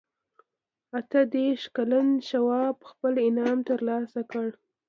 اته دېرش کلن شواب خپل انعام ترلاسه کړ